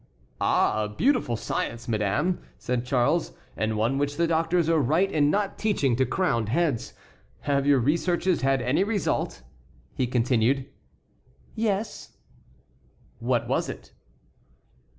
"Ah! a beautiful science, madame," said Charles, "and one which the doctors are right in not teaching to crowned heads! Have your researches had any result?" he continued. "Yes." "What was it?"